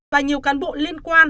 và nhiều cán bộ liên quan